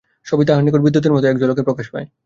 সবই তাহার নিকট বিদ্যুতের মত এক ঝলকে প্রকাশ পায়।